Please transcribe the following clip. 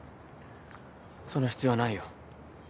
その必要はないよ。